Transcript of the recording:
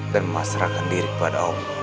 dan memasrakan diri kepada allah